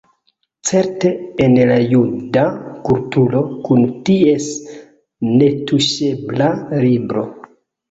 Certe en la juda kulturo, kun ties netuŝebla Libro.